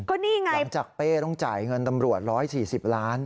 ก็นี่ไงหลังจากเป้ต้องจ่ายเงินตำรวจ๑๔๐ล้าน